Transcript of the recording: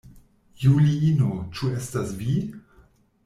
Juliino, ĉu estas vi?